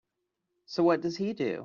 So what does he do?